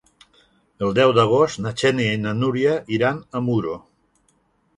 El deu d'agost na Xènia i na Núria iran a Muro.